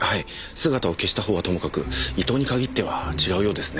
姿を消した方はともかく伊藤に限っては違うようですね。